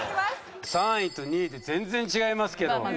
３位と２位で全然違いますけど。